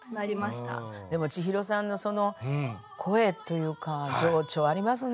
でも千尋さんのその声というか情緒ありますね。